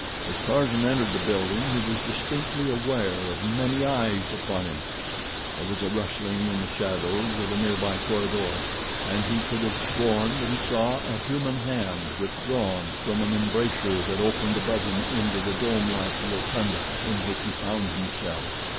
As Tarzan entered the building he was distinctly aware of many eyes upon him. There was a rustling in the shadows of a near by corridor, and he could have sworn that he saw a human hand withdrawn from an embrasure that opened above him into the domelike rotunda in which he found himself.